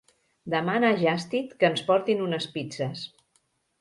Demana a Just eat que ens portin unes pizzes.